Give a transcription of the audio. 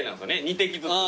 ２滴ずつ。